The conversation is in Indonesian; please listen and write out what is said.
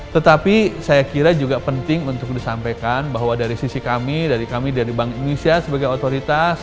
tetapi saya kira juga penting untuk disampaikan bahwa dari sisi kami dari kami dari bank indonesia sebagai otoritas